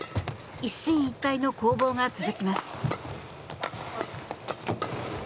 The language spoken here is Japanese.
一進一退の攻防が続きます。